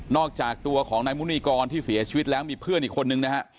อกจากตัวของนายมุนีกรที่เสียชีวิตแล้วมีเพื่อนอีกคนนึงนะฮะ